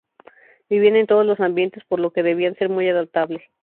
Vivían en todos los ambientes, por lo que debían ser muy adaptable.